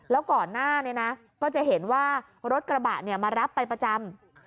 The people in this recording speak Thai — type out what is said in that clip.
แล้วก่อนหน้านี้ก็จะเห็นว่ารถกระบะมารับไปประจำ